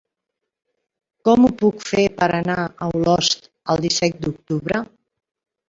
Com ho puc fer per anar a Olost el disset d'octubre?